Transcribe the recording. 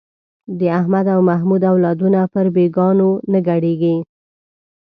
د احمد او محمود اولادونه پر بېګانو نه ګډېږي.